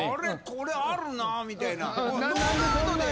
これあるなみたいな。